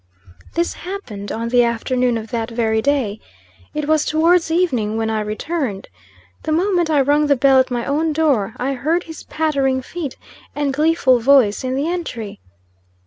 This happened on the afternoon of that very day. It was towards evening when I returned. The moment I rung the bell at my own door, I heard his pattering feet and gleeful voice in the entry.